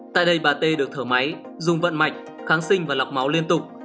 tại đây bà t được thở máy dùng vận mạch kháng sinh và lọc máu liên tục